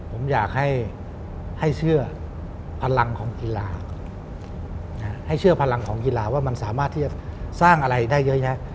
ผมอยากให้เชื่อพลังของกีฬาให้เชื่อพลังของกีฬาว่ามันสามารถที่จะสร้างอะไรได้เยอะแยะ